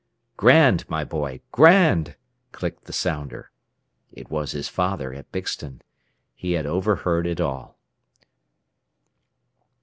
"Grand, my boy! Grand!" clicked the sounder. It was his father, at Bixton. He had overheard it all.